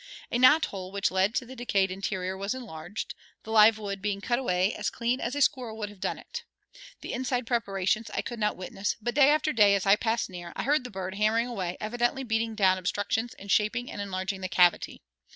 A knot hole which led to the decayed interior was enlarged, the live wood being cut away as clean as a squirrel would have done it. The inside preparations I could not witness, but day after day, as I passed near, I heard the bird hammering away, evidently beating down obstructions and shaping and enlarging the cavity.